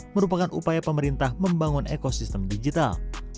merupakan upaya pemerintah membangun ekosistem digital